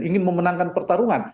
ingin memenangkan pertarungan